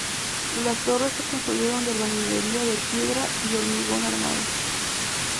Las torres se construyeron de albañilería de piedra y hormigón armado.